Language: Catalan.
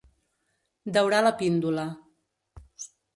Daurar la píndola.